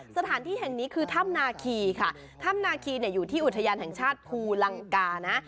สถานที่แห่งนี้คือถ้ำนาคีค่ะถ้ำนาคีเนี่ยอยู่ที่อุทยานแห่งชาติภูลังกานะ